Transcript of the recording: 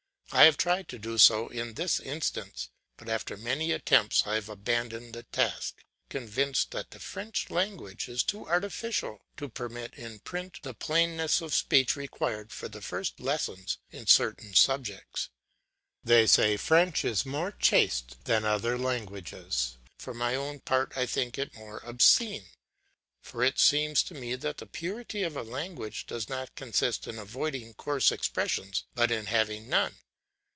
I have tried to do so in this instance; but after many attempts I have abandoned the task, convinced that the French language is too artificial to permit in print the plainness of speech required for the first lessons in certain subjects. They say French is more chaste than other languages; for my own part I think it more obscene; for it seems to me that the purity of a language does not consist in avoiding coarse expressions but in having none.